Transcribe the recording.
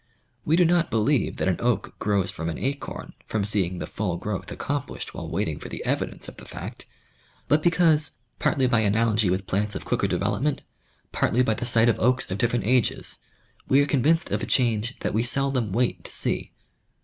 We do not believe that an oak grows from an acorn from seeing the full growth accom plished while waiting for the evidence of the fact, but because partly by analogy with plants of quicker development, partly by the sight of oaks of different ages, we are convinced of a change that we seldom wait to see.